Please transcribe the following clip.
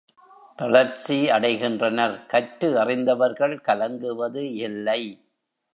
தளர்ச்சி அடைகின்றனர். கற்று அறிந்தவர்கள் கலங்குவது இல்லை.